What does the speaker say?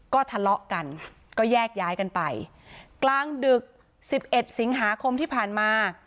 ก็ทะเลาะกันก็แยกย้ายกันไปกลางดึกสิบเอ็ดสิงหาคมที่ผ่านมา